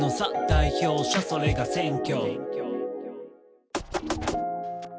代表者それが選挙」